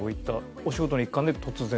お仕事の一環で突然？